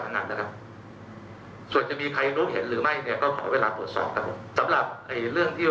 ถ้าเกิดสมมุติว่ามันมีการผลย้ายจริงแล้วไปกระทบสัมพยาหลักฐานในคดีเนี่ย